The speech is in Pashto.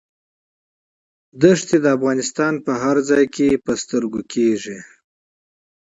دښتې د افغانستان په هره برخه کې موندل کېږي.